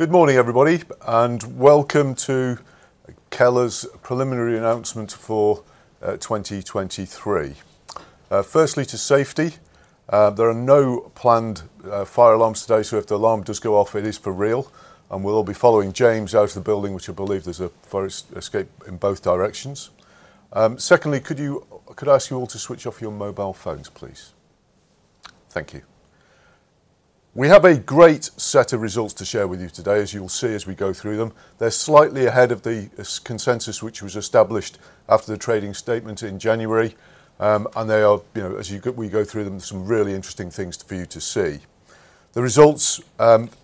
Good morning, everybody, and welcome to Keller's preliminary announcement for 2023. First, on safety: there are no planned fire alarms today, so if the alarm does go off, it is for real, and we'll all be following James out of the building, which I believe there's a fire escape in both directions. Second, could I ask you all to switch off your mobile phones, please? Thank you. We have a great set of results to share with you today, as you'll see as we go through them. They're slightly ahead of the consensus which was established after the trading statement in January, and they are, you know, as you go we go through them, some really interesting things for you to see. The results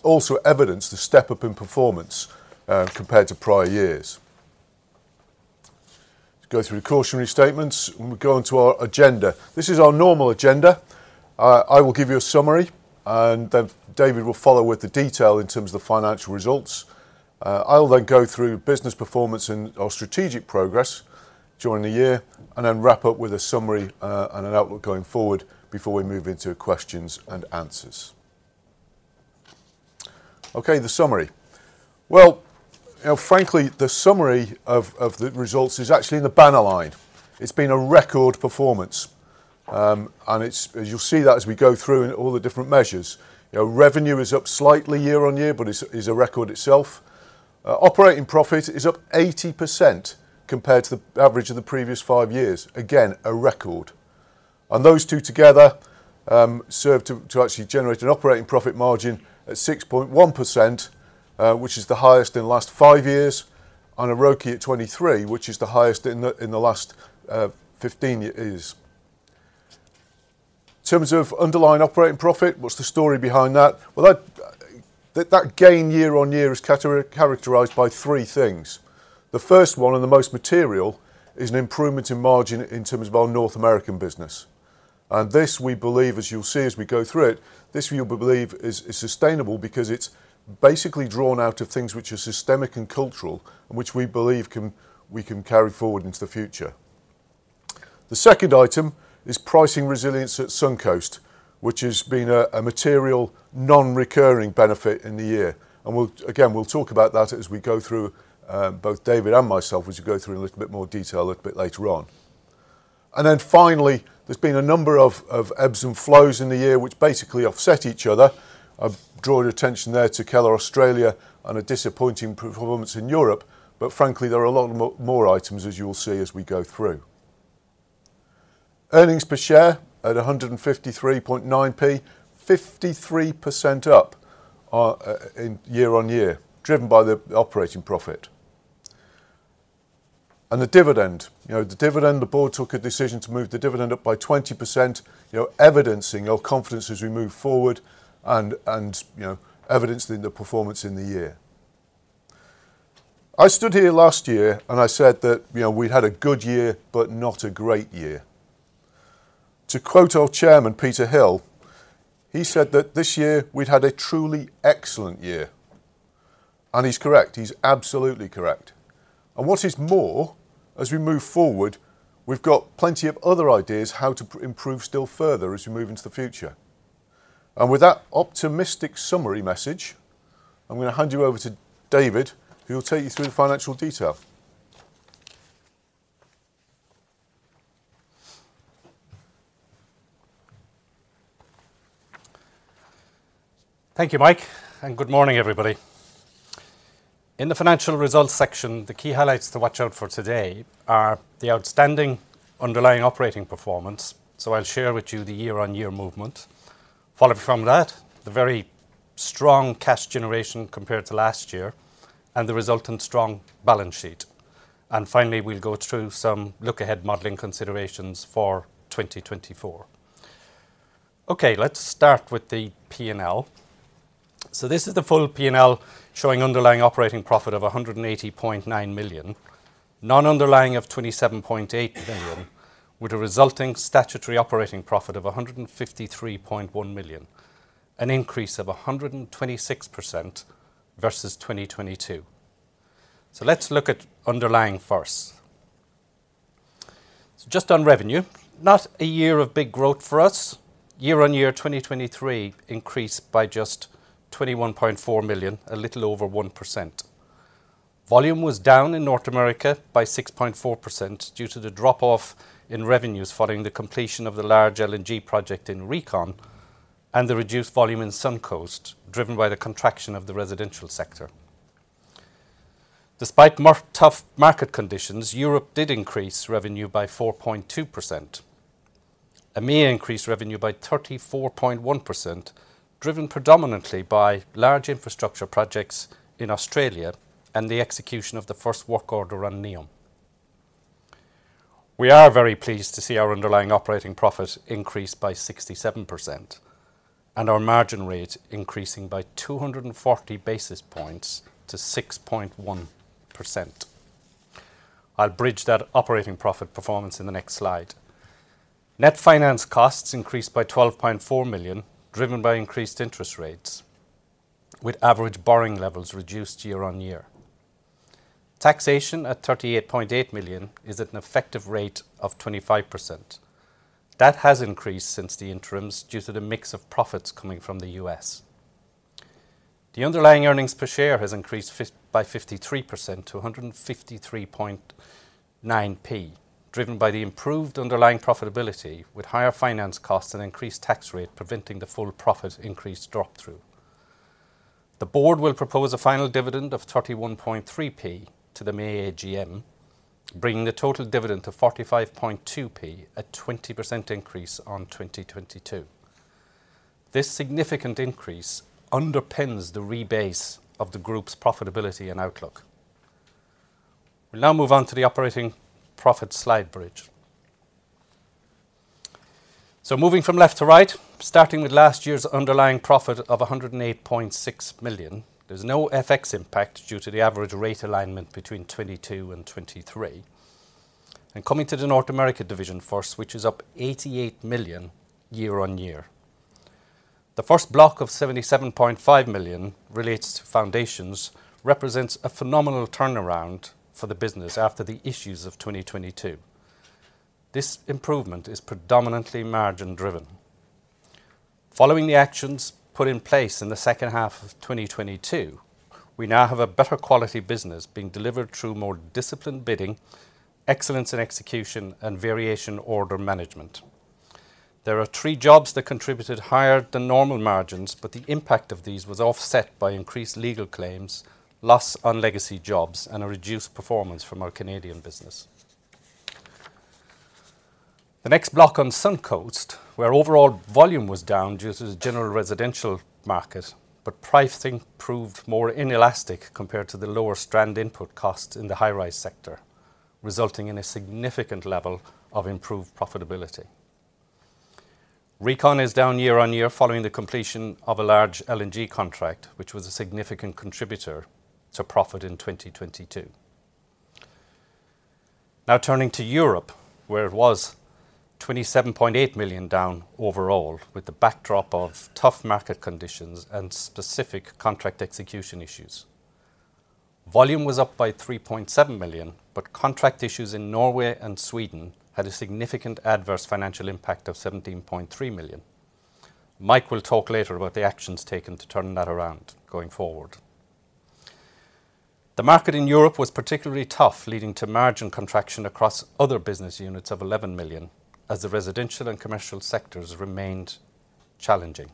also evidence the step-up in performance compared to prior years. Go through the cautionary statements, and we go on to our agenda. This is our normal agenda. I will give you a summary, and then David will follow with the detail in terms of the financial results. I'll then go through business performance and our strategic progress during the year, and then wrap up with a summary and an outlook going forward before we move into questions and answers. Okay, the summary. Well, you know, frankly, the summary of the results is actually in the banner line. It's been a record performance, and it's as you'll see that as we go through all the different measures. You know, revenue is up slightly year-on-year, but it's a record itself. Operating profit is up 80% compared to the average of the previous five years. Again, a record. And those two together serve to actually generate an operating profit margin at 6.1%, which is the highest in the last five years, and a ROCE at 23%, which is the highest in the last 15 years. In terms of underlying operating profit, what's the story behind that? Well, that gain year-on-year is characterized by three things. The first one and the most material is an improvement in margin in terms of our North American business. And this we believe, as you'll see as we go through it, this we believe is sustainable because it's basically drawn out of things which are systemic and cultural and which we believe we can carry forward into the future. The second item is pricing resilience at Suncoast, which has been a material non-recurring benefit in the year. We'll again, we'll talk about that as we go through, both David and myself, as we go through in a little bit more detail a little bit later on. Then finally, there's been a number of ebbs and flows in the year which basically offset each other. I've drawn attention there to Keller Australia and a disappointing performance in Europe, but frankly, there are a lot more items as you'll see as we go through. Earnings per share at GBP 153.9p, 53% up year-on-year, driven by the operating profit. The dividend. You know, the dividend, the board took a decision to move the dividend up by 20%, you know, evidencing our confidence as we move forward and, you know, evidencing the performance in the year. I stood here last year and I said that, you know, we'd had a good year but not a great year. To quote our Chairman, Peter Hill, he said that this year we'd had a truly excellent year. He's correct. He's absolutely correct. What is more, as we move forward, we've got plenty of other ideas how to improve still further as we move into the future. With that optimistic summary message, I'm going to hand you over to David, who will take you through the financial detail. Thank you, Mike, and good morning, everybody. In the financial results section, the key highlights to watch out for today are the outstanding underlying operating performance, so I'll share with you the year-on-year movement. Following from that, the very strong cash generation compared to last year and the resultant strong balance sheet. Finally, we'll go through some look-ahead modeling considerations for 2024. Okay, let's start with the P&L. So this is the full P&L showing underlying operating profit of 180.9 million, non-underlying of 27.8 million, with a resulting statutory operating profit of 153.1 million, an increase of 126% versus 2022. So let's look at underlying first. So just on revenue, not a year of big growth for us. Year-on-year, 2023 increased by just 21.4 million, a little over 1%. Volume was down in North America by 6.4% due to the drop-off in revenues following the completion of the large LNG project in region and the reduced volume in Suncoast, driven by the contraction of the residential sector. Despite tough market conditions, Europe did increase revenue by 4.2%. EMEA increased revenue by 34.1%, driven predominantly by large infrastructure projects in Australia and the execution of the first work order on NEOM. We are very pleased to see our underlying operating profit increase by 67% and our margin rate increasing by 240 basis points to 6.1%. I'll bridge that operating profit performance in the next slide. Net finance costs increased by 12.4 million, driven by increased interest rates, with average borrowing levels reduced year-over-year. Taxation at 38.8 million is at an effective rate of 25%. That has increased since the interims due to the mix of profits coming from the U.S. The underlying earnings per share has increased by 53% to 153.9p, driven by the improved underlying profitability with higher finance costs and increased tax rate preventing the full profit increase drop-through. The board will propose a final dividend of 31.3p to the AGM, bringing the total dividend to 45.2p, a 20% increase on 2022. This significant increase underpins the rebase of the group's profitability and outlook. We'll now move on to the operating profit slide bridge. So moving from left to right, starting with last year's underlying profit of 108.6 million, there's no FX impact due to the average rate alignment between 2022 and 2023, and coming to the North America division first, which is up 88 million year-on-year. The first block of 77.5 million related to foundations represents a phenomenal turnaround for the business after the issues of 2022. This improvement is predominantly margin-driven. Following the actions put in place in the second half of 2022, we now have a better quality business being delivered through more disciplined bidding, excellence in execution, and variation order management. There are three jobs that contributed higher than normal margins, but the impact of these was offset by increased legal claims, loss on legacy jobs, and a reduced performance from our Canadian business. The next block on Suncoast, where overall volume was down due to the general residential market, but pricing proved more inelastic compared to the lower strand input costs in the high-rise sector, resulting in a significant level of improved profitability. Revenue is down year-on-year following the completion of a large LNG contract, which was a significant contributor to profit in 2022. Now turning to Europe, where it was 27.8 million down overall with the backdrop of tough market conditions and specific contract execution issues. Volume was up by 3.7 million, but contract issues in Norway and Sweden had a significant adverse financial impact of 17.3 million. Mike will talk later about the actions taken to turn that around going forward. The market in Europe was particularly tough, leading to margin contraction across other business units of 11 million as the residential and commercial sectors remained challenging.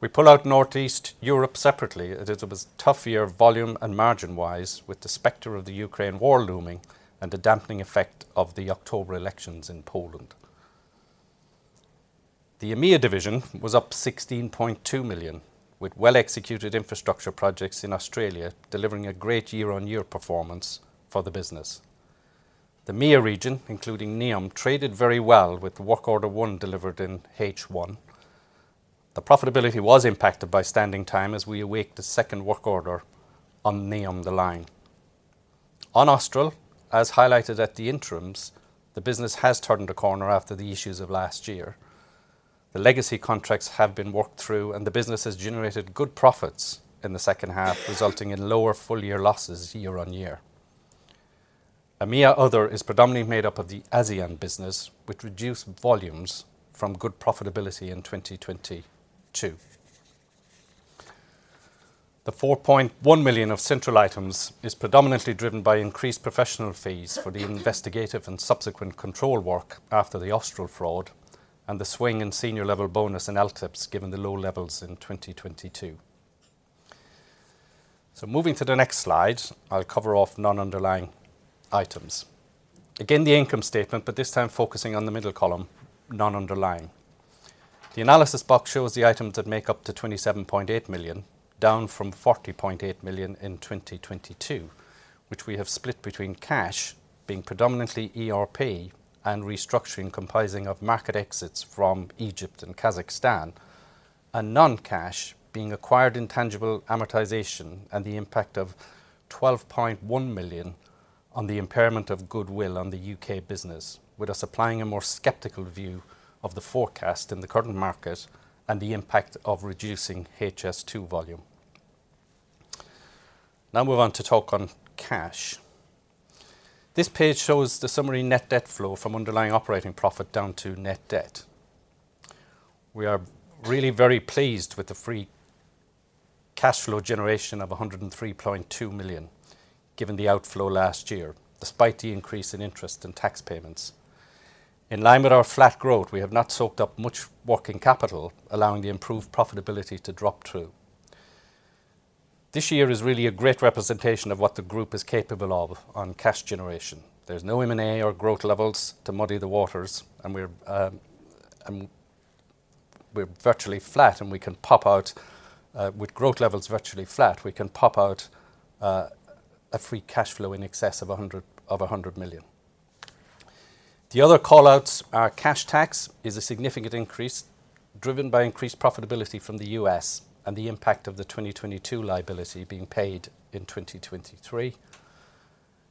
We pull out Northeast Europe separately. It was a tough year volume and margin-wise, with the specter of the Ukraine war looming and the dampening effect of the October elections in Poland. The EMEA division was up 16.2 million with well-executed infrastructure projects in Australia delivering a great year-on-year performance for the business. The MEA region, including NEOM, traded very well with the work order one delivered in H1. The profitability was impacted by standing time as we awaited a second work order on NEOM timeline. On Austral, as highlighted at the interims, the business has turned a corner after the issues of last year. The legacy contracts have been worked through, and the business has generated good profits in the second half, resulting in lower full-year losses year-on-year. EMEA other is predominantly made up of the ASEAN business, which reduced volumes from good profitability in 2022. The 4.1 million of central items is predominantly driven by increased professional fees for the investigative and subsequent control work after the Austral fraud and the swing in senior-level bonus in LTIPs given the low levels in 2022. So moving to the next slide, I'll cover off non-underlying items. Again, the income statement, but this time focusing on the middle column, non-underlying. The analysis box shows the items that make up to 27.8 million, down from 40.8 million in 2022, which we have split between cash, being predominantly ERP, and restructuring comprising of market exits from Egypt and Kazakhstan, and non-cash, being acquired intangible amortization and the impact of 12.1 million on the impairment of goodwill on the U.K. business, with us applying a more skeptical view of the forecast in the current market and the impact of reducing HS2 volume. Now move on to talk on cash. This page shows the summary net debt flow from underlying operating profit down to net debt. We are really very pleased with the free cash flow generation of 103.2 million given the outflow last year, despite the increase in interest and tax payments. In line with our flat growth, we have not soaked up much working capital, allowing the improved profitability to drop-through. This year is really a great representation of what the group is capable of on cash generation. There's no M&A or growth levels to muddy the waters, and we're virtually flat, and we can pop out with growth levels virtually flat, we can pop out a free cash flow in excess of 100 million. The other callouts are cash tax is a significant increase driven by increased profitability from the U.S. and the impact of the 2022 liability being paid in 2023,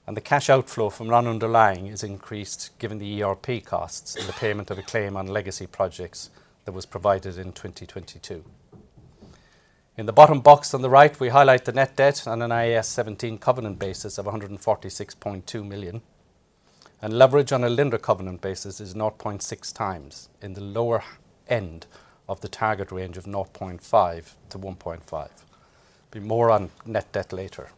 and the cash outflow from non-underlying is increased given the ERP costs and the payment of a claim on legacy projects that was provided in 2022. In the bottom box on the right, we highlight the net debt on an IAS 17 covenant basis of 146.2 million, and leverage on a lender covenant basis is 0.6 times in the lower end of the target range of 0.5-1.5. Be more on net debt later.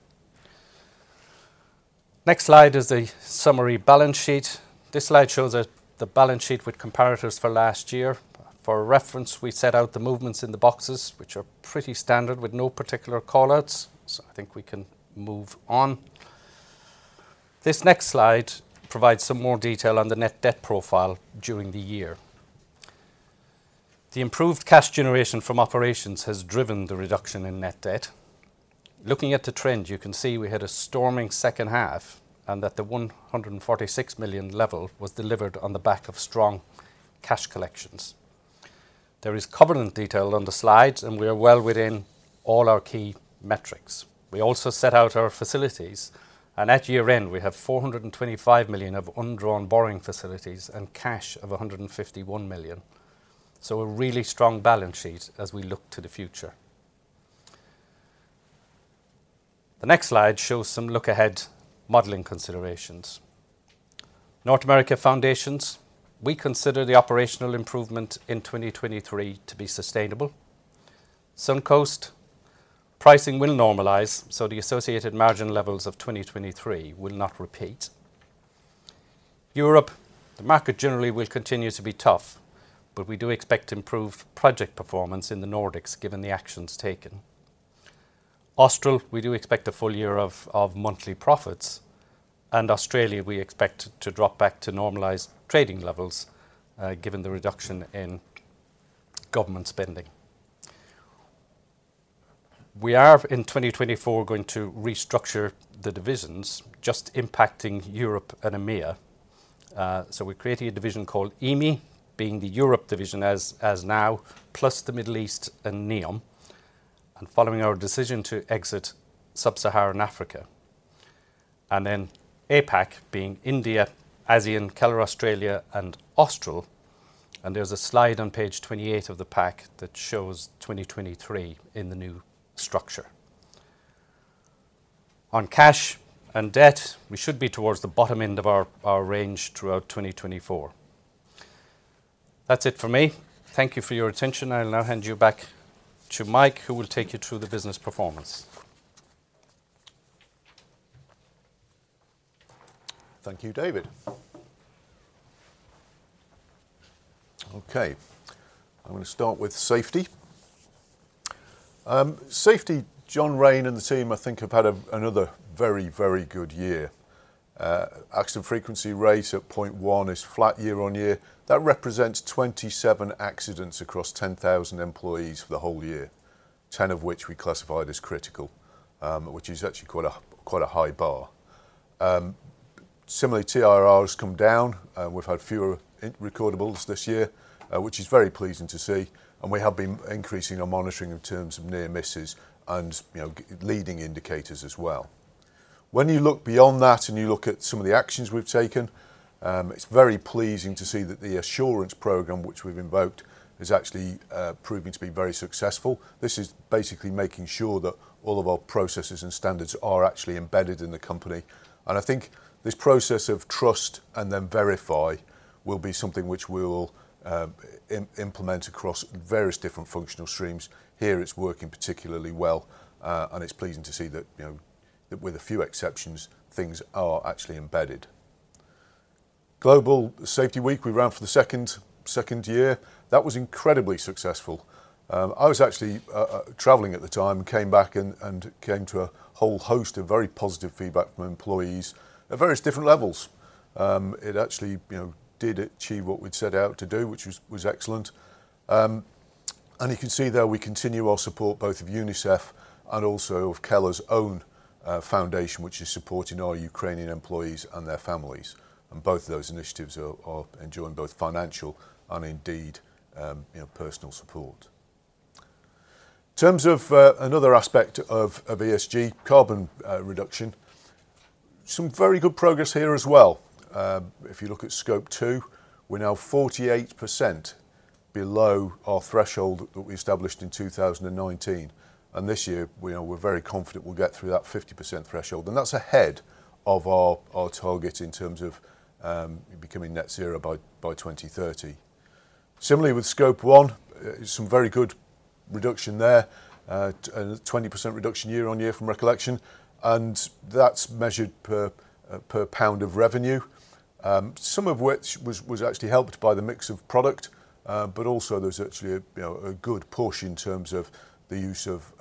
Next slide is the summary balance sheet. This slide shows the balance sheet with comparators for last year. For reference, we set out the movements in the boxes, which are pretty standard with no particular callouts. So I think we can move on. This next slide provides some more detail on the net debt profile during the year. The improved cash generation from operations has driven the reduction in net debt. Looking at the trend, you can see we had a storming second half and that the 146 million level was delivered on the back of strong cash collections. There is covenant detail on the slides, and we are well within all our key metrics. We also set out our facilities, and at year-end, we have 425 million of undrawn borrowing facilities and cash of 151 million. So a really strong balance sheet as we look to the future. The next slide shows some look-ahead modelling considerations. North America foundations, we consider the operational improvement in 2023 to be sustainable. Suncoast, pricing will normalise, so the associated margin levels of 2023 will not repeat. Europe, the market generally will continue to be tough, but we do expect improved project performance in the Nordics given the actions taken. Austral, we do expect a full year of monthly profits, and Australia, we expect to drop back to normalized trading levels given the reduction in government spending. We are, in 2024, going to restructure the divisions, just impacting Europe and EMEA. So we're creating a division called EMEA, being the Europe division as now, plus the Middle East and NEOM, and following our decision to exit Sub-Saharan Africa. And then APAC, being India, ASEAN, Keller Australia, and Austral. And there's a slide on page 28 of the PAC that shows 2023 in the new structure. On cash and debt, we should be towards the bottom end of our range throughout 2024. That's it for me. Thank you for your attention. I'll now hand you back to Mike, who will take you through the business performance. Thank you, David. Okay. I'm going to start with safety. Safety, John Raine and the team, I think, have had another very, very good year. Accident frequency rate at 0.1 is flat year-on-year. That represents 27 accidents across 10,000 employees for the whole year, 10 of which we classified as critical, which is actually quite a high bar. Similarly, TRIR come down. We've had fewer recordables this year, which is very pleasing to see. And we have been increasing our monitoring in terms of near misses and leading indicators as well. When you look beyond that and you look at some of the actions we've taken, it's very pleasing to see that the assurance program, which we've invoked, is actually proving to be very successful. This is basically making sure that all of our processes and standards are actually embedded in the company. I think this process of trust and then verify will be something which we'll implement across various different functional streams. Here, it's working particularly well, and it's pleasing to see that, with a few exceptions, things are actually embedded. Global Safety Week, we ran for the second year. That was incredibly successful. I was actually traveling at the time and came back and came to a whole host of very positive feedback from employees at various different levels. It actually did achieve what we'd set out to do, which was excellent. And you can see there we continue our support both of UNICEF and also of Keller's own foundation, which is supporting our Ukrainian employees and their families. And both of those initiatives are enjoying both financial and indeed personal support. In terms of another aspect of ESG, carbon reduction, some very good progress here as well. If you look at scope two, we're now 48% below our threshold that we established in 2019. And this year, we're very confident we'll get through that 50% threshold. And that's ahead of our target in terms of becoming net zero by 2030. Similarly, with scope one, some very good reduction there, a 20% reduction year-on-year from recollection. And that's measured per pound of revenue, some of which was actually helped by the mix of product, but also there's actually a good portion in terms of the use of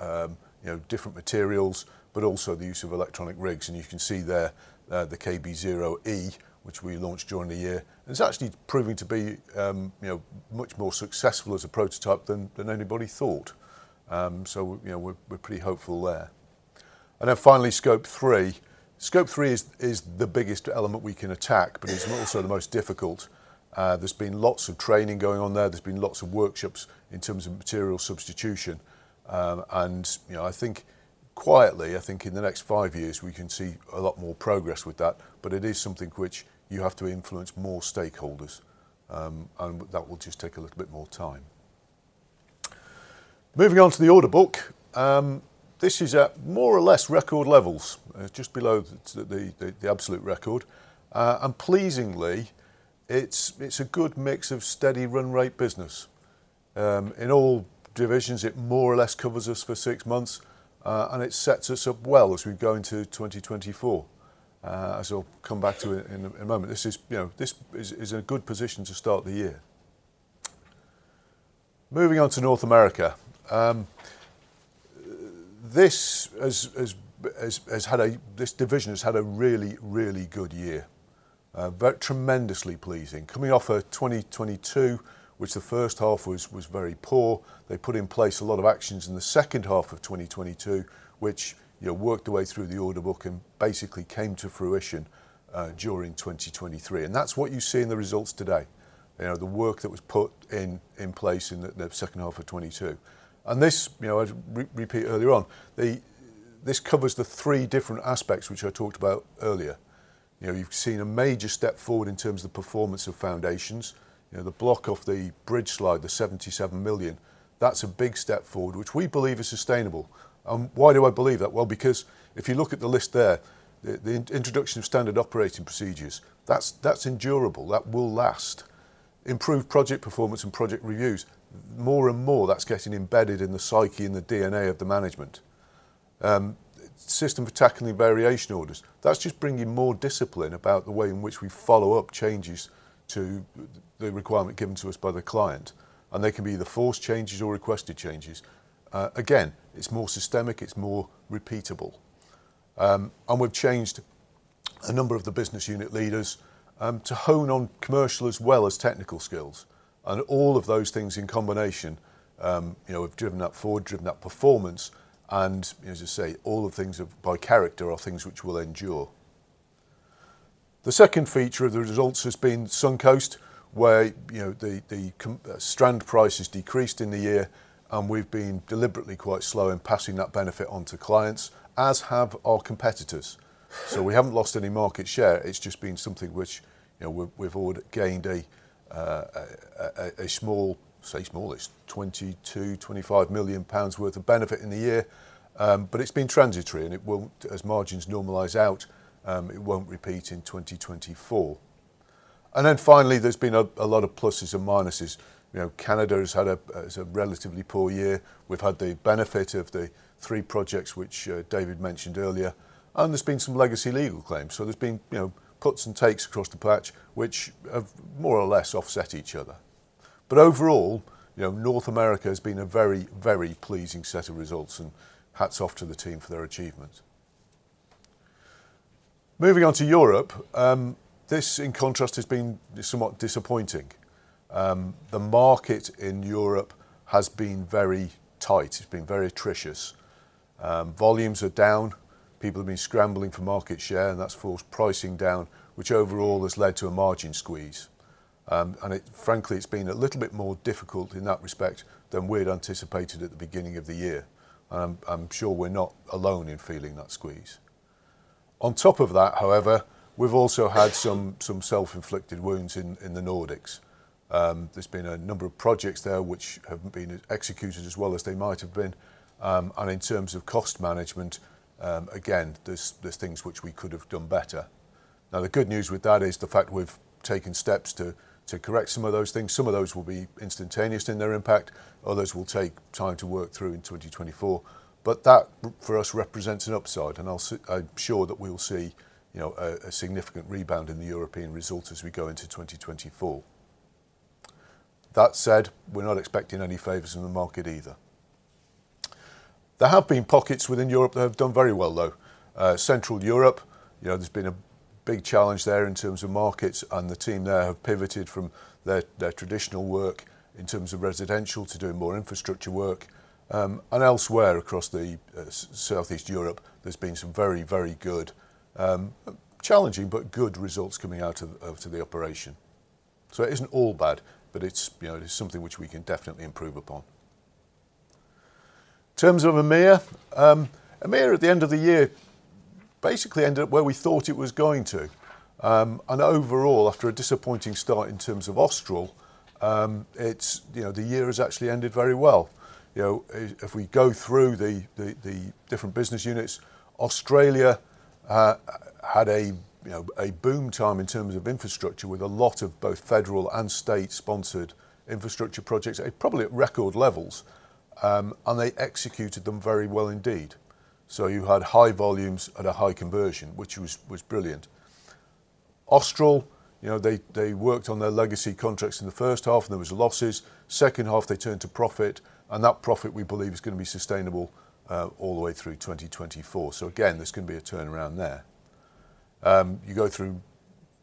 different materials, but also the use of electronic rigs. And you can see there the KBO-E, which we launched during the year. And it's actually proving to be much more successful as a prototype than anybody thought. So we're pretty hopeful there. And then finally, scope three. Scope three is the biggest element we can attack, but it's also the most difficult. There's been lots of training going on there. There's been lots of workshops in terms of material substitution. I think quietly, I think in the next five years, we can see a lot more progress with that. But it is something which you have to influence more stakeholders, and that will just take a little bit more time. Moving on to the order book. This is at more or less record levels. It's just below the absolute record. Pleasingly, it's a good mix of steady run-rate business. In all divisions, it more or less covers us for six months, and it sets us up well as we go into 2024, as I'll come back to in a moment. This is a good position to start the year. Moving on to North America. This division has had a really, really good year, tremendously pleasing. Coming off of 2022, which the first half was very poor, they put in place a lot of actions in the second half of 2022, which worked their way through the order book and basically came to fruition during 2023. And that's what you see in the results today, the work that was put in place in the second half of 2022. And this, as I repeated earlier on, this covers the three different aspects which I talked about earlier. You've seen a major step forward in terms of the performance of foundations. The block off the bridge slide, the 77 million, that's a big step forward, which we believe is sustainable. And why do I believe that? Well, because if you look at the list there, the introduction of standard operating procedures, that's enduring. That will last. Improved project performance and project reviews, more and more that's getting embedded in the psyche and the DNA of the management. System for tackling variation orders, that's just bringing more discipline about the way in which we follow up changes to the requirement given to us by the client. And they can be either forced changes or requested changes. Again, it's more systemic. It's more repeatable. And we've changed a number of the business unit leaders to hone on commercial as well as technical skills. And all of those things in combination have driven that forward, driven that performance. And as I say, all of things by character are things which will endure. The second feature of the results has been Suncoast, where the strand price has decreased in the year, and we've been deliberately quite slow in passing that benefit onto clients, as have our competitors. So we haven't lost any market share. It's just been something which we've all gained a small, say smallest, 22-25 million pounds worth of benefit in the year. But it's been transitory, and as margins normalize out, it won't repeat in 2024. And then finally, there's been a lot of pluses and minuses. Canada has had a relatively poor year. We've had the benefit of the three projects which David mentioned earlier. And there's been some legacy legal claims. So there's been puts and takes across the patch, which have more or less offset each other. But overall, North America has been a very, very pleasing set of results, and hats off to the team for their achievements. Moving on to Europe, this in contrast has been somewhat disappointing. The market in Europe has been very tight. It's been very attritional. Volumes are down. People have been scrambling for market share, and that's forced pricing down, which overall has led to a margin squeeze. Frankly, it's been a little bit more difficult in that respect than we'd anticipated at the beginning of the year. I'm sure we're not alone in feeling that squeeze. On top of that, however, we've also had some self-inflicted wounds in the Nordics. There's been a number of projects there which have been executed as well as they might have been. In terms of cost management, again, there's things which we could have done better. Now, the good news with that is the fact we've taken steps to correct some of those things. Some of those will be instantaneous in their impact. Others will take time to work through in 2024. But that for us represents an upside, and I'm sure that we'll see a significant rebound in the European results as we go into 2024. That said, we're not expecting any favors in the market either. There have been pockets within Europe that have done very well, though. Central Europe, there's been a big challenge there in terms of markets, and the team there have pivoted from their traditional work in terms of residential to doing more infrastructure work. And elsewhere across Southeast Europe, there's been some very, very good, challenging but good results coming out of the operation. So it isn't all bad, but it's something which we can definitely improve upon. In terms of EMEA, EMEA at the end of the year basically ended up where we thought it was going to. Overall, after a disappointing start in terms of Austral, the year has actually ended very well. If we go through the different business units, Australia had a boom time in terms of infrastructure with a lot of both federal and state-sponsored infrastructure projects, probably at record levels, and they executed them very well indeed. So you had high volumes at a high conversion, which was brilliant. Austral, they worked on their legacy contracts in the first half, and there were losses. Second half, they turned to profit, and that profit we believe is going to be sustainable all the way through 2024. So again, there's going to be a turnaround there. You go through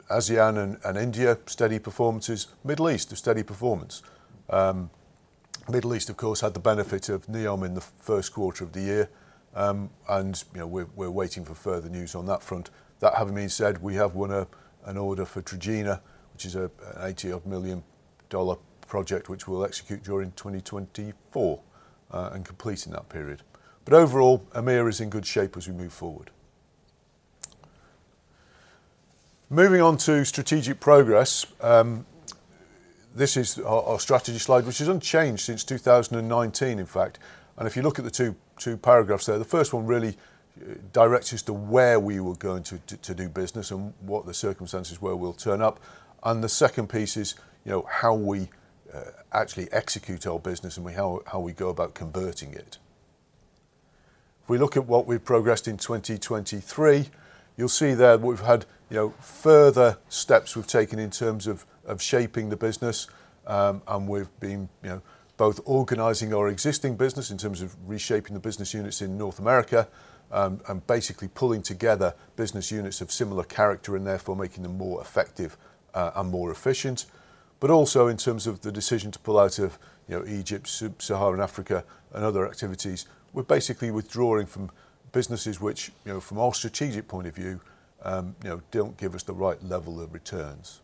ASEAN and India, steady performances. Middle East, a steady performance. Middle East, of course, had the benefit of NEOM in the first quarter of the year. And we're waiting for further news on that front. That having been said, we have won an order for Trojena, which is an $80 million project which we'll execute during 2024 and complete in that period. But overall, EMEA is in good shape as we move forward. Moving on to strategic progress, this is our strategy slide, which is unchanged since 2019, in fact. And if you look at the two paragraphs there, the first one really directs us to where we were going to do business and what the circumstances were we'll turn up. And the second piece is how we actually execute our business and how we go about converting it. If we look at what we've progressed in 2023, you'll see there we've had further steps we've taken in terms of shaping the business. We've been both organizing our existing business in terms of reshaping the business units in North America and basically pulling together business units of similar character and therefore making them more effective and more efficient. But also in terms of the decision to pull out of Egypt, Sub-Saharan Africa, and other activities, we're basically withdrawing from businesses which, from our strategic point of view, don't give us the right level of returns.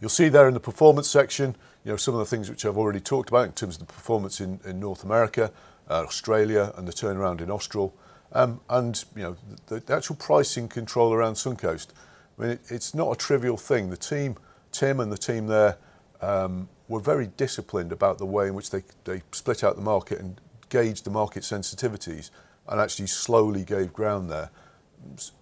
You'll see there in the performance section some of the things which I've already talked about in terms of the performance in North America, Australia, and the turnaround in Austral. The actual pricing control around Suncoast, it's not a trivial thing. Tim and the team there were very disciplined about the way in which they split out the market and gauged the market sensitivities and actually slowly gave ground there.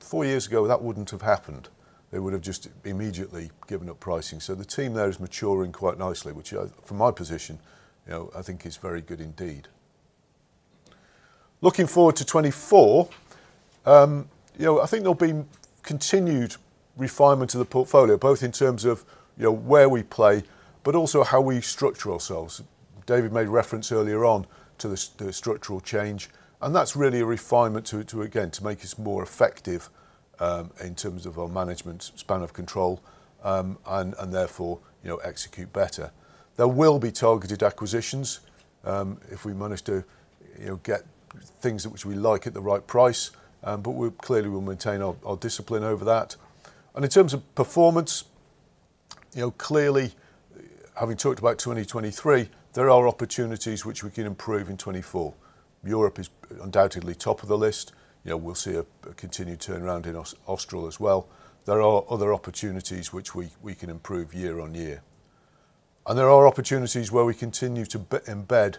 Four years ago, that wouldn't have happened. They would have just immediately given up pricing. So the team there is maturing quite nicely, which from my position, I think is very good indeed. Looking forward to 2024, I think there'll be continued refinement of the portfolio, both in terms of where we play, but also how we structure ourselves. David made reference earlier on to the structural change, and that's really a refinement to, again, to make us more effective in terms of our management span of control and therefore execute better. There will be targeted acquisitions if we manage to get things which we like at the right price, but we clearly will maintain our discipline over that. And in terms of performance, clearly having talked about 2023, there are opportunities which we can improve in 2024. Europe is undoubtedly top of the list. We'll see a continued turnaround in Austral as well. There are other opportunities which we can improve year on year. There are opportunities where we continue to embed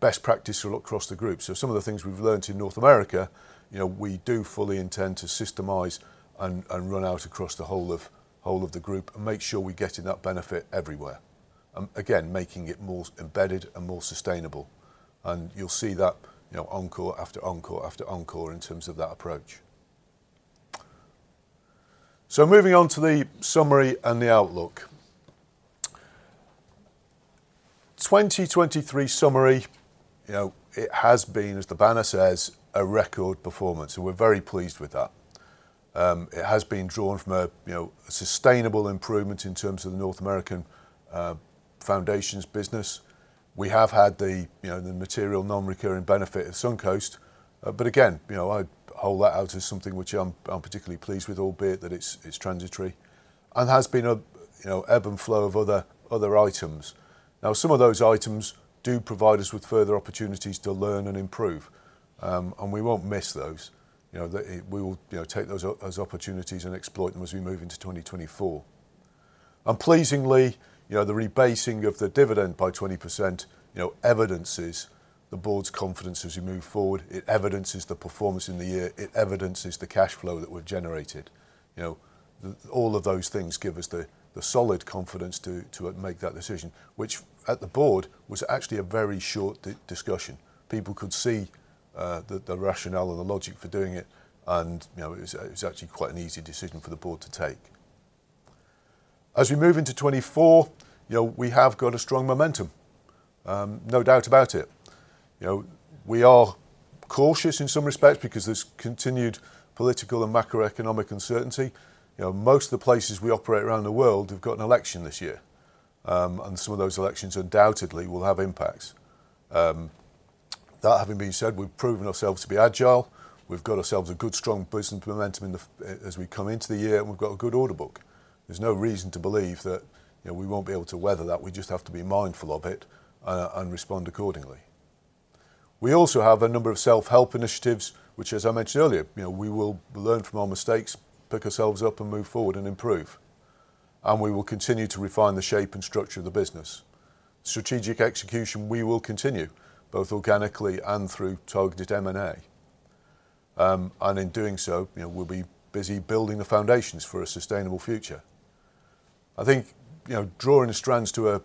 best practice across the group. So some of the things we've learnt in North America, we do fully intend to systemise and run out across the whole of the group and make sure we're getting that benefit everywhere. And again, making it more embedded and more sustainable. And you'll see that encore after encore after encore in terms of that approach. So moving on to the summary and the outlook. 2023 summary, it has been, as the banner says, a record performance, and we're very pleased with that. It has been drawn from a sustainable improvement in terms of the North American foundations business. We have had the material non-recurring benefit of Suncoast. But again, I'd hold that out as something which I'm particularly pleased with, albeit that it's transitory. And has been an ebb and flow of other items. Now, some of those items do provide us with further opportunities to learn and improve, and we won't miss those. We will take those as opportunities and exploit them as we move into 2024. And pleasingly, the rebasing of the dividend by 20% evidences the board's confidence as we move forward. It evidences the performance in the year. It evidences the cash flow that we've generated. All of those things give us the solid confidence to make that decision, which at the board was actually a very short discussion. People could see the rationale and the logic for doing it, and it was actually quite an easy decision for the board to take. As we move into 2024, we have got a strong momentum, no doubt about it. We are cautious in some respects because there's continued political and macroeconomic uncertainty. Most of the places we operate around the world have got an election this year, and some of those elections undoubtedly will have impacts. That having been said, we've proven ourselves to be agile. We've got ourselves a good, strong business momentum as we come into the year, and we've got a good order book. There's no reason to believe that we won't be able to weather that. We just have to be mindful of it and respond accordingly. We also have a number of self-help initiatives, which, as I mentioned earlier, we will learn from our mistakes, pick ourselves up, and move forward and improve. We will continue to refine the shape and structure of the business. Strategic execution, we will continue both organically and through targeted M&A. In doing so, we'll be busy building the foundations for a sustainable future. I think, drawing to a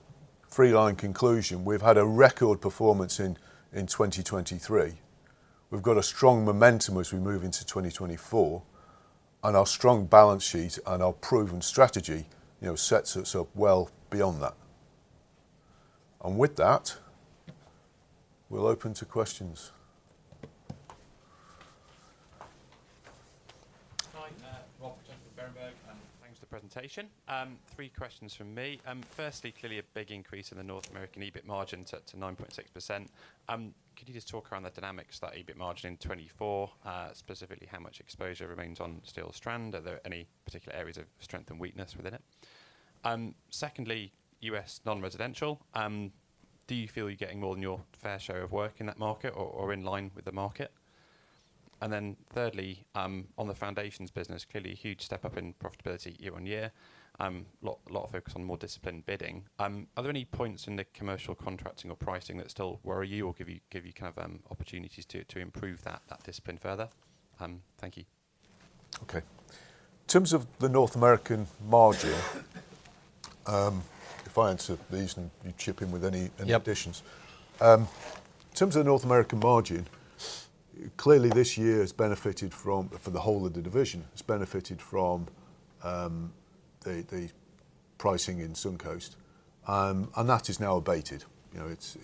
fitting conclusion, we've had a record performance in 2023. We've got a strong momentum as we move into 2024, and our strong balance sheet and our proven strategy sets us up well beyond that. With that, we'll open to questions. Hi, Rob Chantry from Berenberg, and thanks for the presentation. Three questions from me. Firstly, clearly a big increase in the North American EBIT margin to 9.6%. Could you just talk around the dynamics of that EBIT margin in 2024, specifically how much exposure remains on steel strand? Are there any particular areas of strength and weakness within it? Secondly, US non-residential, do you feel you're getting more than your fair share of work in that market or in line with the market? And then thirdly, on the foundations business, clearly a huge step up in profitability year on year, a lot of focus on more disciplined bidding. Are there any points in the commercial contracting or pricing that still worry you or give you kind of opportunities to improve that discipline further? Thank you. Okay. In terms of the North American margin, if I answer these and you chip in with any additions. In terms of the North American margin, clearly this year has benefited from, for the whole of the division, has benefited from the pricing in Suncoast, and that is now abated. It's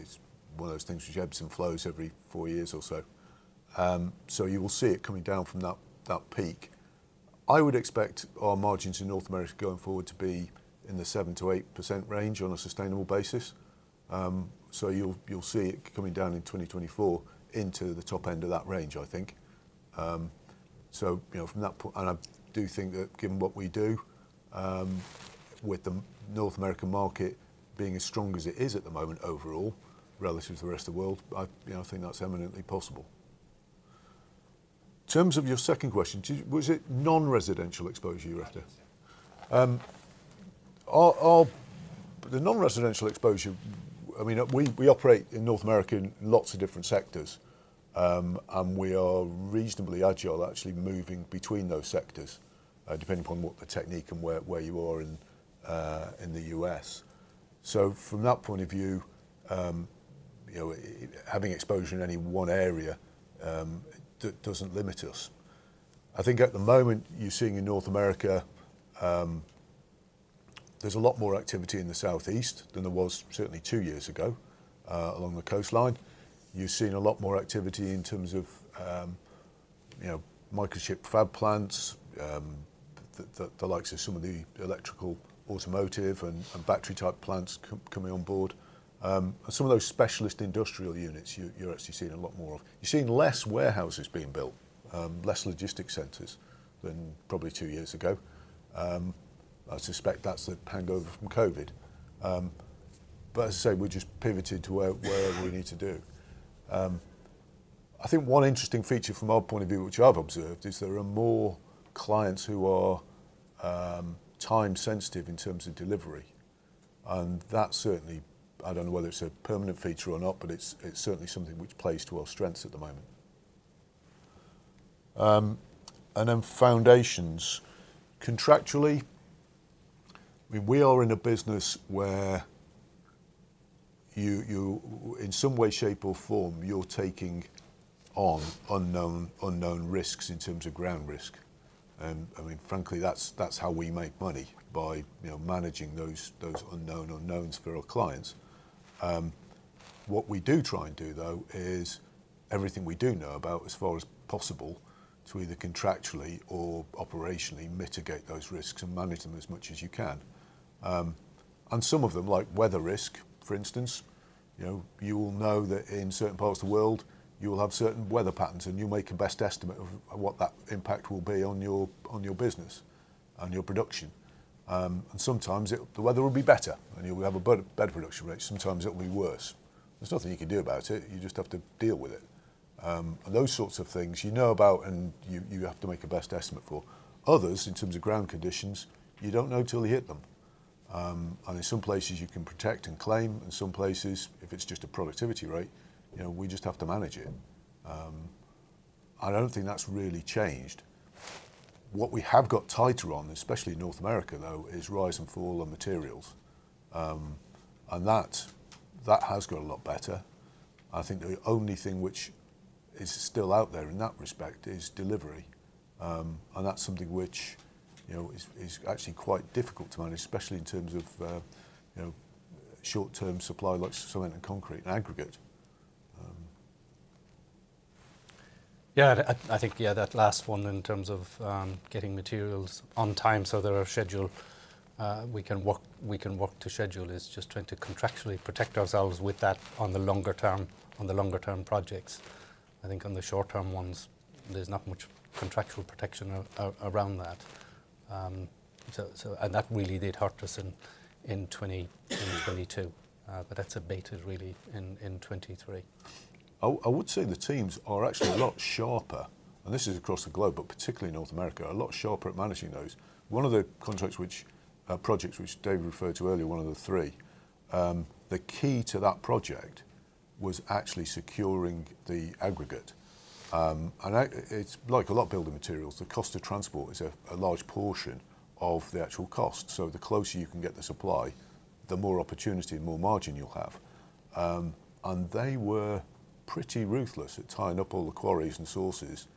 one of those things which ebbs and flows every four years or so. So you will see it coming down from that peak. I would expect our margins in North America going forward to be in the 7%-8% range on a sustainable basis. So you'll see it coming down in 2024 into the top end of that range, I think. So from that point, and I do think that given what we do with the North American market being as strong as it is at the moment overall relative to the rest of the world, I think that's eminently possible. In terms of your second question, was it non-residential exposure you were after? Yes. The non-residential exposure, I mean, we operate in North America in lots of different sectors, and we are reasonably agile, actually moving between those sectors depending upon what the technique and where you are in the U.S. So from that point of view, having exposure in any one area doesn't limit us. I think at the moment you're seeing in North America, there's a lot more activity in the Southeast than there was certainly two years ago along the coastline. You've seen a lot more activity in terms of microchip fab plants, the likes of some of the electrical automotive and battery-type plants coming on board. And some of those specialist industrial units, you're actually seeing a lot more of. You're seeing less warehouses being built, less logistics centers than probably two years ago. I suspect that's the hangover from COVID. But as I say, we've just pivoted to wherever we need to do. I think one interesting feature from our point of view, which I've observed, is there are more clients who are time-sensitive in terms of delivery. And that certainly, I don't know whether it's a permanent feature or not, but it's certainly something which plays to our strengths at the moment. And then foundations. Contractually, I mean, we are in a business where in some way, shape, or form, you're taking on unknown risks in terms of ground risk. I mean, frankly, that's how we make money, by managing those unknown unknowns for our clients. What we do try and do, though, is everything we do know about as far as possible to either contractually or operationally mitigate those risks and manage them as much as you can. And some of them, like weather risk, for instance, you will know that in certain parts of the world, you will have certain weather patterns, and you'll make a best estimate of what that impact will be on your business and your production. And sometimes the weather will be better, and you'll have a better production rate. Sometimes it'll be worse. There's nothing you can do about it. You just have to deal with it. And those sorts of things you know about, and you have to make a best estimate for. Others, in terms of ground conditions, you don't know till you hit them. And in some places, you can protect and claim, and some places, if it's just a productivity rate, we just have to manage it. I don't think that's really changed. What we have got tighter on, especially in North America, though, is rise and fall on materials. And that has got a lot better. I think the only thing which is still out there in that respect is delivery. And that's something which is actually quite difficult to manage, especially in terms of short-term supply like cement and concrete, aggregate. Yeah, I think, yeah, that last one in terms of getting materials on time so they're scheduled, we can work to schedule, is just trying to contractually protect ourselves with that on the longer-term projects. I think on the short-term ones, there's not much contractual protection around that. And that really did hurt us in 2022. But that's abated really in 2023. I would say the teams are actually a lot sharper, and this is across the globe, but particularly North America, a lot sharper at managing those. One of the projects which David referred to earlier, one of the three, the key to that project was actually securing the aggregate. And it's like a lot of building materials. The cost of transport is a large portion of the actual cost. So the closer you can get the supply, the more opportunity and more margin you'll have. And they were pretty ruthless at tying up all the quarries and sources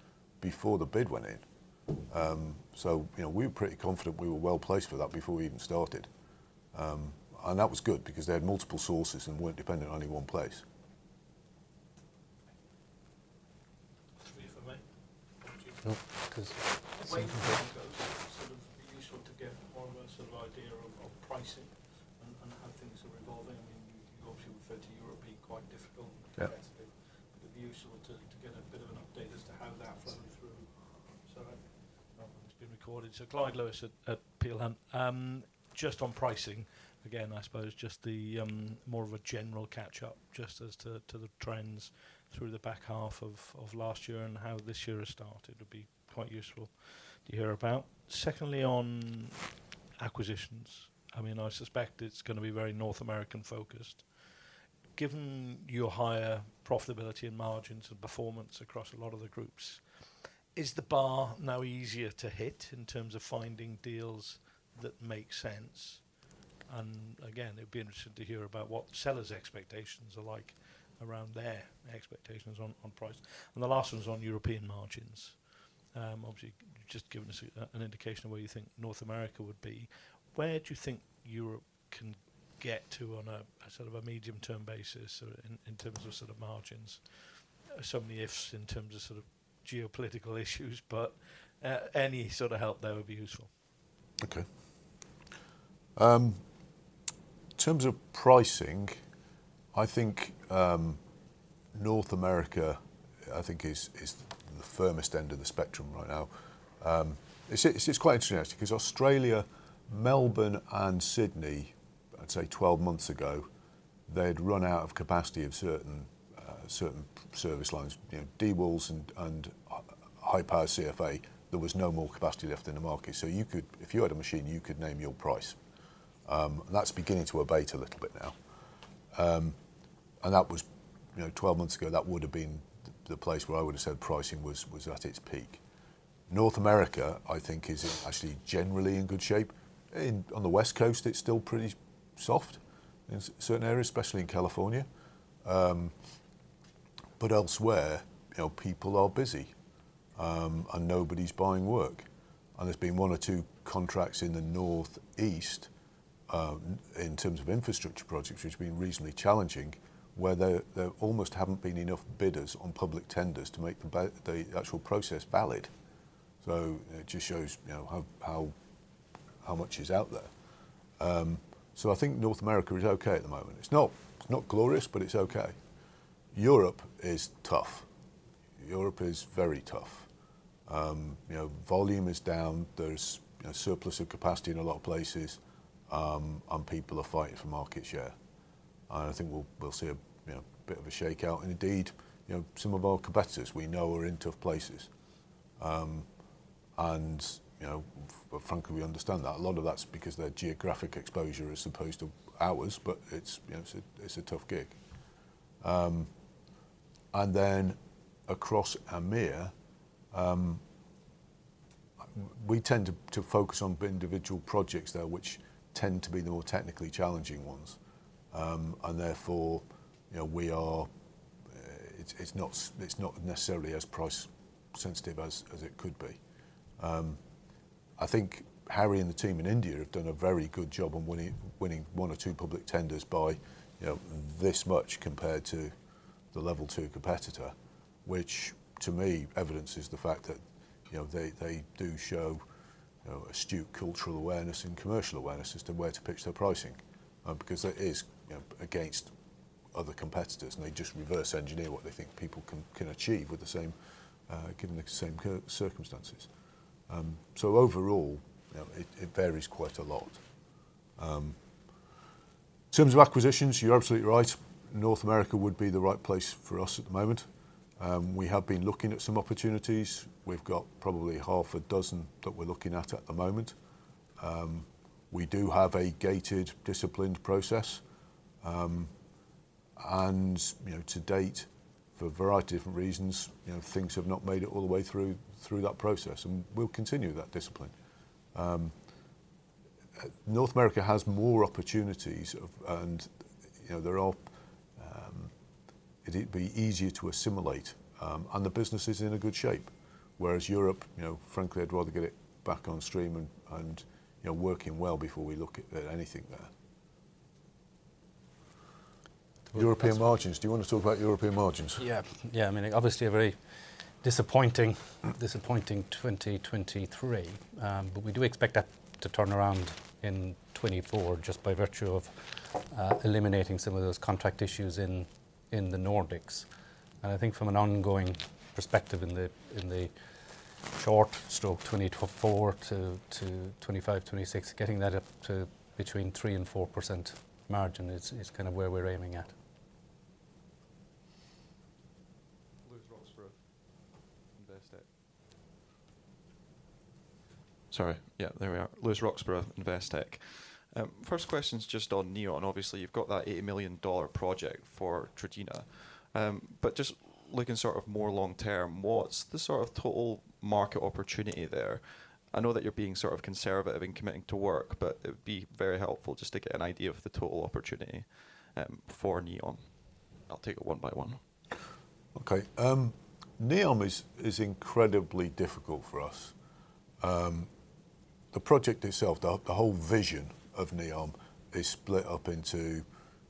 before the bid went in. So we were pretty confident we were well placed for that before we even started. And that was good because they had multiple sources and weren't dependent on any one place. Three for me. One for you. No, because where you go sort of be useful to get more of a sort of idea of pricing and how things are evolving. I mean, you obviously refer to Europe being quite difficult compared to the. But it'd be useful to get a bit of an update as to how that flowed through. Sorry. No. It's been recorded. So Clyde Lewis at Peel Hunt. Just on pricing, again, I suppose just more of a general catch-up just as to the trends through the back half of last year and how this year has started would be quite useful to hear about. Secondly, on acquisitions, I mean, I suspect it's going to be very North American-focused. Given your higher profitability and margins and performance across a lot of the groups, is the bar now easier to hit in terms of finding deals that make sense? And again, it'd be interesting to hear about what sellers' expectations are like around their expectations on price. And the last one's on European margins, obviously just giving us an indication of where you think North America would be. Where do you think Europe can get to on a sort of a medium-term basis in terms of sort of margins? So many ifs in terms of sort of geopolitical issues, but any sort of help there would be useful. Okay. In terms of pricing, I think North America, I think, is the firmest end of the spectrum right now. It's quite interesting actually because Australia, Melbourne, and Sydney, I'd say 12 months ago, they'd run out of capacity of certain service lines, D-Walls and Hyper CFA. There was no more capacity left in the market. So if you had a machine, you could name your price. And that's beginning to abate a little bit now. And that was 12 months ago, that would have been the place where I would have said pricing was at its peak. North America, I think, is actually generally in good shape. On the West Coast, it's still pretty soft in certain areas, especially in California. But elsewhere, people are busy and nobody's buying work. There's been one or two contracts in the Northeast in terms of infrastructure projects, which have been reasonably challenging, where there almost haven't been enough bidders on public tenders to make the actual process valid. It just shows how much is out there. I think North America is okay at the moment. It's not glorious, but it's okay. Europe is tough. Europe is very tough. Volume is down. There's surplus of capacity in a lot of places, and people are fighting for market share. I think we'll see a bit of a shakeout. Indeed, some of our competitors, we know, are in tough places. Frankly, we understand that. A lot of that's because their geographic exposure is supposed to ours, but it's a tough gig. Then across EMEA, we tend to focus on individual projects there, which tend to be the more technically challenging ones. Therefore, it's not necessarily as price-sensitive as it could be. I think Hari and the team in India have done a very good job on winning one or two public tenders by this much compared to the level two competitor, which to me evidences the fact that they do show astute cultural awareness and commercial awareness as to where to pitch their pricing because that is against other competitors, and they just reverse engineer what they think people can achieve with the same given the same circumstances. So overall, it varies quite a lot. In terms of acquisitions, you're absolutely right. North America would be the right place for us at the moment. We have been looking at some opportunities. We've got probably half a dozen that we're looking at at the moment. We do have a gated, disciplined process. To date, for a variety of different reasons, things have not made it all the way through that process, and we'll continue that discipline. North America has more opportunities, and it'd be easier to assimilate, and the business is in a good shape. Whereas Europe, frankly, I'd rather get it back on stream and working well before we look at anything there. European margins. Do you want to talk about European margins? Yeah. Yeah, I mean, obviously a very disappointing 2023, but we do expect that to turn around in 2024 just by virtue of eliminating some of those contract issues in the Nordics. I think from an ongoing perspective in the short term, 2024 to 2025, 2026, getting that up to between 3% and 4% margin is kind of where we're aiming at. Lewis Roxburgh, Investec. Sorry. Yeah, there we are. Lewis Roxburgh, Investec. First question's just on NEOM. Obviously, you've got that $80 million project for Trojena. But just looking sort of more long-term, what's the sort of total market opportunity there? I know that you're being sort of conservative in committing to work, but it'd be very helpful just to get an idea of the total opportunity for NEOM. I'll take it one by one. Okay. NEOM is incredibly difficult for us. The project itself, the whole vision of NEOM, is split up into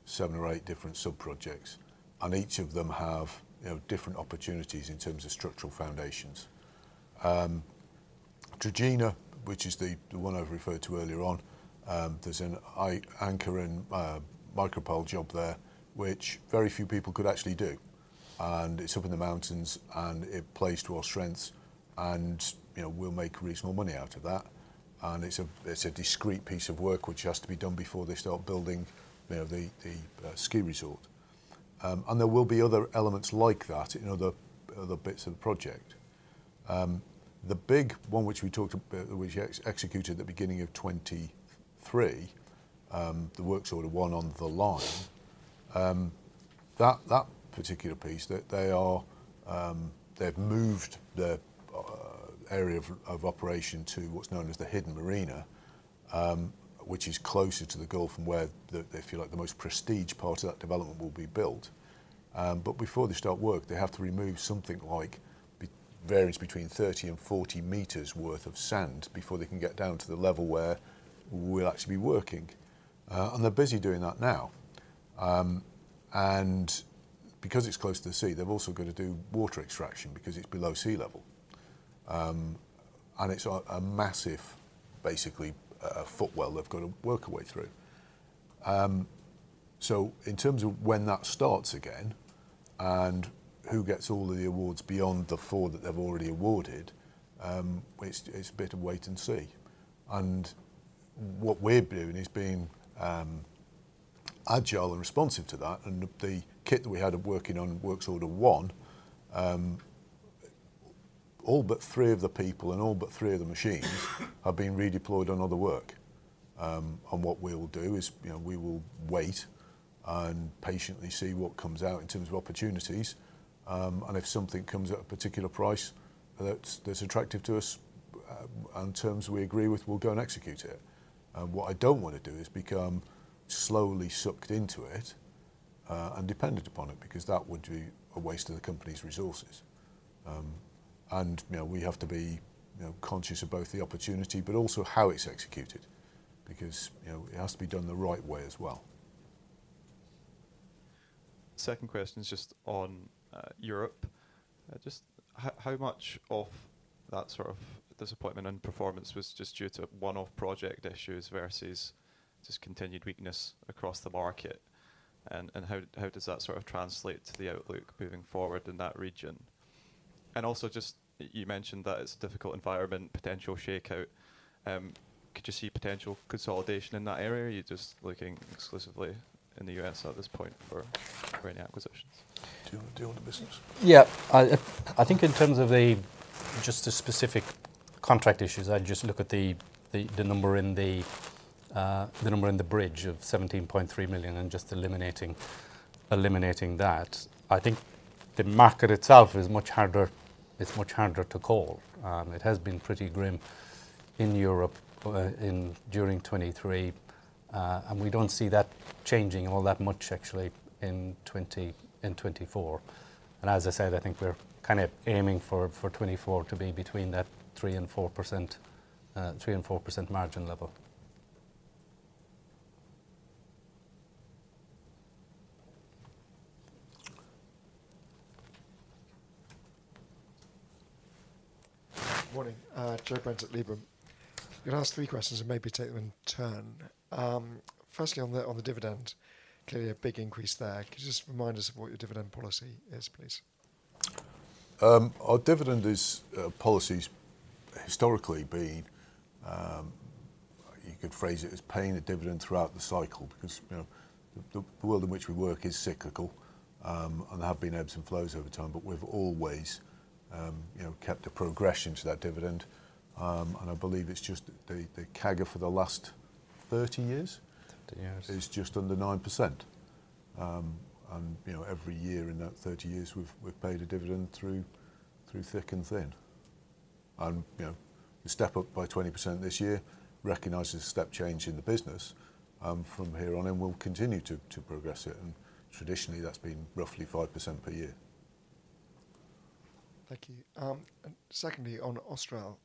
seven or eight different sub-projects, and each of them have different opportunities in terms of structural foundations. Trojena, which is the one I've referred to earlier on, there's an anchor and micropile job there, which very few people could actually do. And it's up in the mountains, and it plays to our strengths, and we'll make reasonable money out of that. And it's a discrete piece of work, which has to be done before they start building the ski resort. And there will be other elements like that in other bits of the project. The big one, which we talked about, which executed at the beginning of 2023, the works order one on the line, that particular piece, they've moved their area of operation to what's known as the hidden marina, which is closer to the Gulf and where they feel like the most prestige part of that development will be built. But before they start work, they have to remove something like variance between 30-40 meters worth of sand before they can get down to the level where we'll actually be working. And they're busy doing that now. And because it's close to the sea, they've also got to do water extraction because it's below sea level. And it's a massive, basically, footwell they've got to work a way through. In terms of when that starts again and who gets all of the awards beyond the 4 that they've already awarded, it's a bit of wait and see. What we're doing is being agile and responsive to that. The kit that we had working on works order one, all but three of the people and all but three of the machines have been redeployed on other work. What we'll do is we will wait and patiently see what comes out in terms of opportunities. If something comes at a particular price that's attractive to us and terms we agree with, we'll go and execute it. What I don't want to do is become slowly sucked into it and dependent upon it because that would be a waste of the company's resources. We have to be conscious of both the opportunity but also how it's executed because it has to be done the right way as well. Second question's just on Europe. Just how much of that sort of disappointment and performance was just due to one-off project issues versus just continued weakness across the market? And how does that sort of translate to the outlook moving forward in that region? And also just you mentioned that it's a difficult environment, potential shakeout. Could you see potential consolidation in that area? You're just looking exclusively in the U.S. at this point for any acquisitions. Do you want to do the business? Yeah. I think in terms of just the specific contract issues, I'd just look at the number in the bridge of 17.3 million and just eliminating that. I think the market itself is much harder to call. It has been pretty grim in Europe during 2023, and we don't see that changing all that much actually in 2024. And as I said, I think we're kind of aiming for 2024 to be between that 3% and 4% margin level. Good morning. Charlie Brent at Liberum. I'm going to ask three questions and maybe take them in turn. Firstly, on the dividend, clearly a big increase there. Could you just remind us of what your dividend policy is, please? Our dividend policy's historically been, you could phrase it as paying a dividend throughout the cycle because the world in which we work is cyclical, and there have been ebbs and flows over time. But we've always kept a progression to that dividend. And I believe it's just the CAGR for the last 30 years is just under 9%. And every year in that 30 years, we've paid a dividend through thick and thin. And we step up by 20% this year, recognize as a step change in the business from here on, and we'll continue to progress it. And traditionally, that's been roughly 5% per year. Thank you. Secondly, on Austral,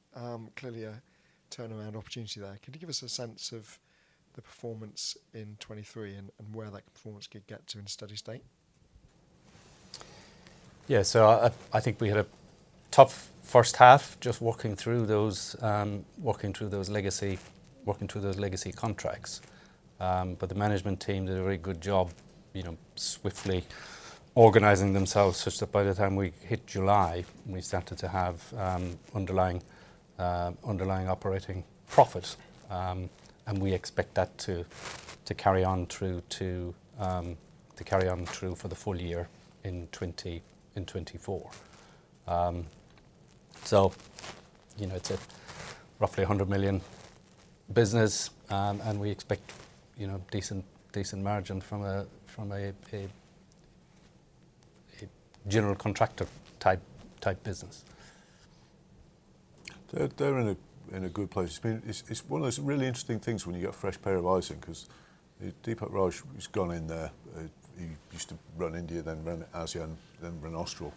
clearly a turnaround opportunity there. Could you give us a sense of the performance in 2023 and where that performance could get to in steady state? Yeah. I think we had a tough first half just working through those legacy contracts. But the management team did a very good job swiftly organizing themselves such that by the time we hit July, we started to have underlying operating profit. We expect that to carry on through for the full year in 2024. It's a roughly 100 million business, and we expect decent margin from a general contractor type business. They're in a good place. It's one of those really interesting things when you get a fresh pair of eyes on because Deepak Rama has gone in there. He used to run India, then run ASEAN, then run Austral.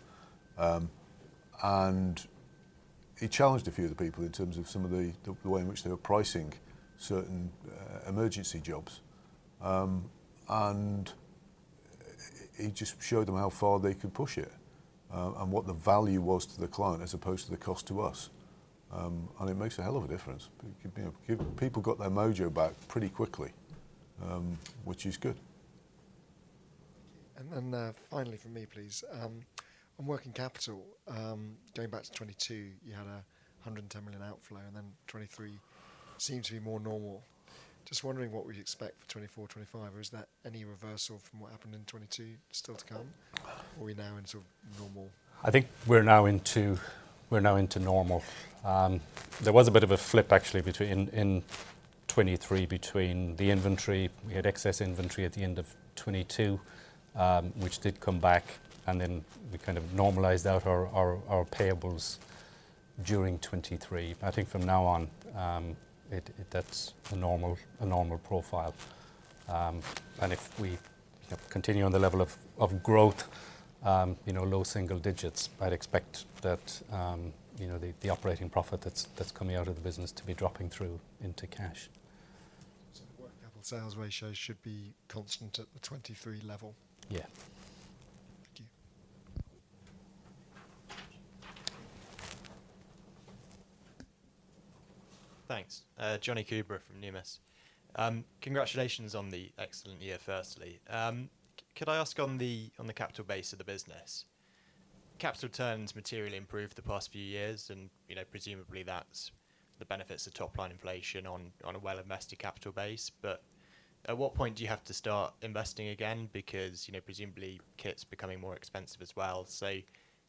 He challenged a few of the people in terms of some of the way in which they were pricing certain emergency jobs. He just showed them how far they could push it and what the value was to the client as opposed to the cost to us. It makes a hell of a difference. People got their mojo back pretty quickly, which is good. Then finally from me, please. On working capital, going back to 2022, you had a 110 million outflow, and then 2023 seemed to be more normal. Just wondering what we expect for 2024, 2025. Or is there any reversal from what happened in 2022 still to come, or are we now in sort of normal? I think we're now into normal. There was a bit of a flip, actually, in 2023 between the inventory. We had excess inventory at the end of 2022, which did come back, and then we kind of normalized out our payables during 2023. I think from now on, that's a normal profile. If we continue on the level of growth, low single digits, I'd expect that the operating profit that's coming out of the business to be dropping through into cash. The working capital sales ratios should be constant at the 2023 level? Yeah. Thank you. Thanks. Jonny Coubrough from Numis. Congratulations on the excellent year, firstly. Could I ask on the capital base of the business? Capital turns materially improved the past few years, and presumably that's the benefits of top-line inflation on a well-invested capital base. But at what point do you have to start investing again because presumably kits are becoming more expensive as well? So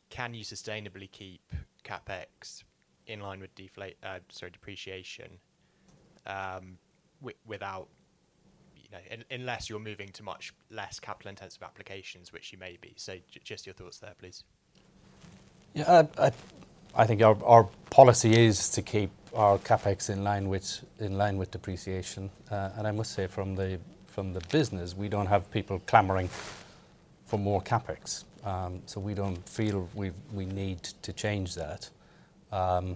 can you sustainably keep CapEx in line with depreciation unless you're moving to much less capital-intensive applications, which you may be? So just your thoughts there, please. Yeah. I think our policy is to keep our CapEx in line with depreciation. I must say from the business, we don't have people clamoring for more CapEx. We don't feel we need to change that. The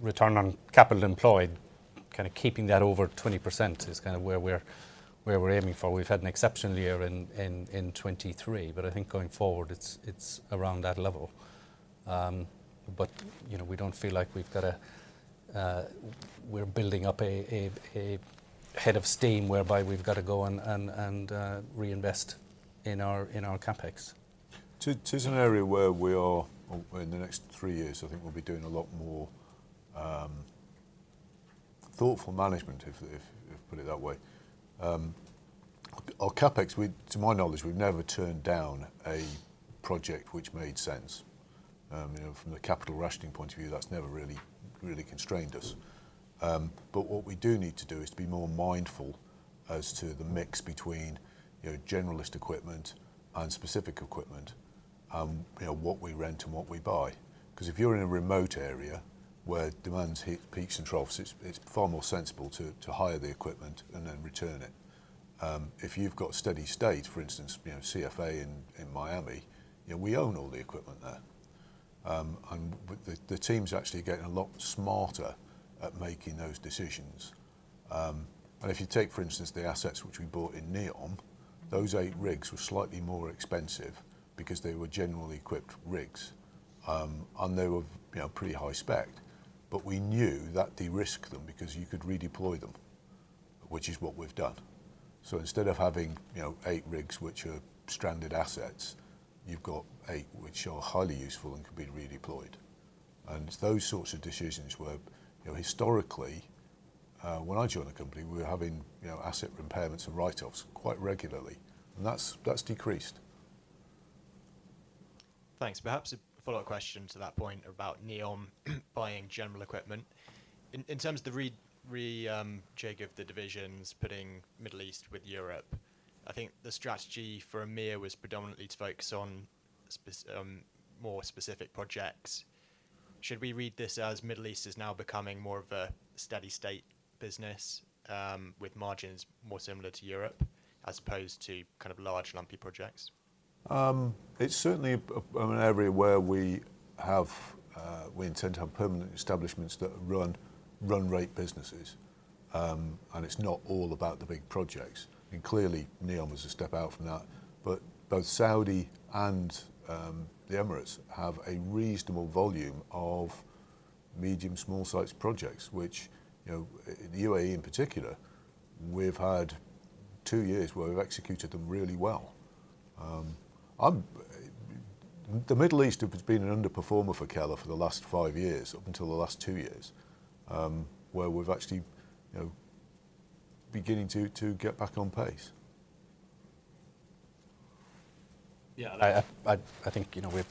return on capital employed, kind of keeping that over 20% is kind of where we're aiming for. We've had an exceptional year in 2023, but I think going forward, it's around that level. We don't feel like we've got to we're building up a head of steam whereby we've got to go and reinvest in our CapEx. To an area where we are in the next three years, I think we'll be doing a lot more thoughtful management, if put it that way. Our CapEx, to my knowledge, we've never turned down a project which made sense. From the capital rationing point of view, that's never really constrained us. But what we do need to do is to be more mindful as to the mix between generalist equipment and specific equipment and what we rent and what we buy. Because if you're in a remote area where demand's hit peaks and troughs, it's far more sensible to hire the equipment and then return it. If you've got steady state, for instance, CFA in Miami, we own all the equipment there. And the teams actually are getting a lot smarter at making those decisions. If you take, for instance, the assets which we bought in NEOM, those eight rigs were slightly more expensive because they were generally equipped rigs, and they were pretty high spec. We knew that de-risked them because you could redeploy them, which is what we've done. Instead of having eight rigs which are stranded assets, you've got eight which are highly useful and can be redeployed. Those sorts of decisions were historically, when I joined the company, we were having asset impairments and write-offs quite regularly, and that's decreased. Thanks. Perhaps a follow-up question to that point about NEOM buying general equipment. In terms of the rejig of the divisions, putting Middle East with Europe, I think the strategy for AMEA was predominantly to focus on more specific projects. Should we read this as Middle East is now becoming more of a steady state business with margins more similar to Europe as opposed to kind of large, lumpy projects? It's certainly an area where we intend to have permanent establishments that run run-rate businesses. It's not all about the big projects. Clearly, NEOM was a step out from that. But both Saudi and the Emirates have a reasonable volume of medium, small-sized projects, which in the UAE in particular, we've had two years where we've executed them really well. The Middle East has been an underperformer for Keller for the last five years up until the last two years where we've actually beginning to get back on pace. Yeah. I think we've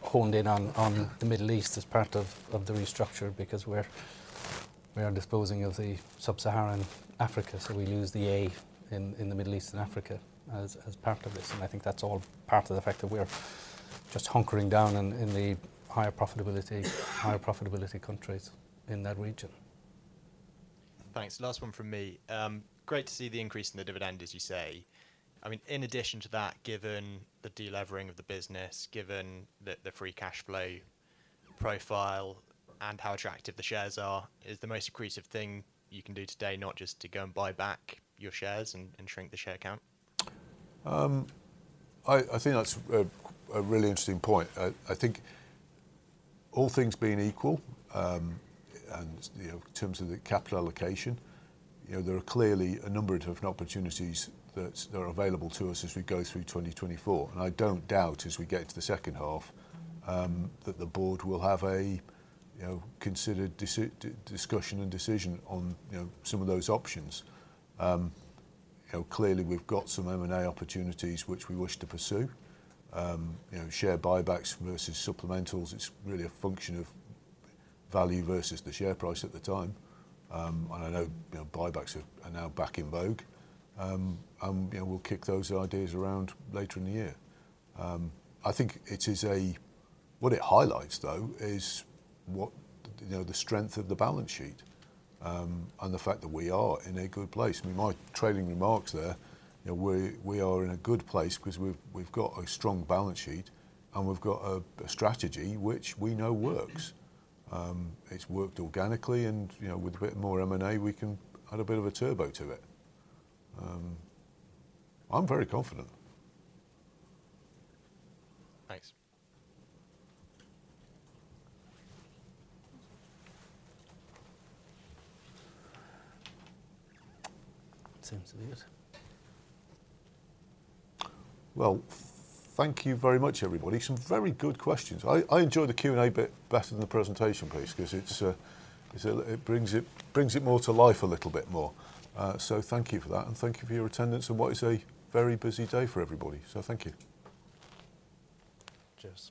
honed in on the Middle East as part of the restructure because we're disposing of the Sub-Saharan Africa. So we lose the A in the Middle East and Africa as part of this. I think that's all part of the fact that we're just hunkering down in the higher profitability countries in that region. Thanks. Last one from me. Great to see the increase in the dividend, as you say. I mean, in addition to that, given the delevering of the business, given the free cash flow profile, and how attractive the shares are, is the most accretive thing you can do today not just to go and buy back your shares and shrink the share count? I think that's a really interesting point. I think all things being equal and in terms of the capital allocation, there are clearly a number of opportunities that are available to us as we go through 2024. And I don't doubt as we get into the second half that the board will have a considered discussion and decision on some of those options. Clearly, we've got some M&A opportunities which we wish to pursue, share buybacks versus supplementals. It's really a function of value versus the share price at the time. And I know buybacks are now back in vogue. And we'll kick those ideas around later in the year. I think what it highlights, though, is the strength of the balance sheet and the fact that we are in a good place. I mean, my trailing remarks there, we are in a good place because we've got a strong balance sheet, and we've got a strategy which we know works. It's worked organically, and with a bit more M&A, we can add a bit of a turbo to it. I'm very confident. Thanks. Seems to be it. Well, thank you very much, everybody. Some very good questions. I enjoy the Q&A bit better than the presentation piece because it brings it more to life a little bit more. So thank you for that, and thank you for your attendance. And what is a very busy day for everybody, so thank you.